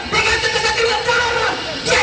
dengan tetap tetap dengan korona